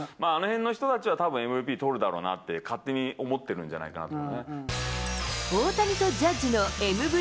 あのへんの人たちは、たぶん、ＭＶＰ取るだろうなって勝手に思ってるんじゃないかなと。